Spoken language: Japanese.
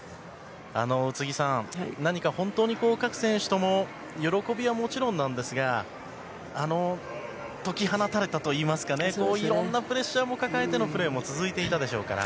宇津木さん何か本当に各選手とも喜びはもちろんなんですが解き放たれたといいますがいろんなプレッシャーを抱えてのプレーも続いていたでしょうから。